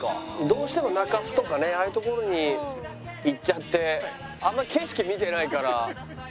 どうしても中洲とかねああいう所に行っちゃってあんまり景色見てないから不思議ですね。